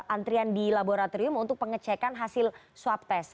antrian di laboratorium untuk pengecekan hasil swab test